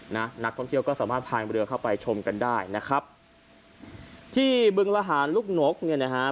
นักท่องเที่ยวก็สามารถพายเรือเข้าไปชมกันได้นะครับที่บึงระหารลูกนกเนี่ยนะฮะ